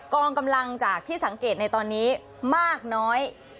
กองกำลังจากที่สังเกตในตอนนี้มากน้อย